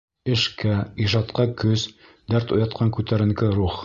Эшкә, ижадҡа көс, дәрт уятҡан күтәренке рух.